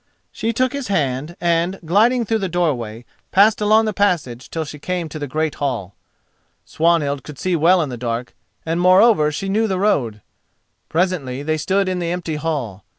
She took his hand and, gliding through the doorway, passed along the passage till she came to the great hall. Swanhild could see well in the dark, and moreover she knew the road. Presently they stood in the empty hall.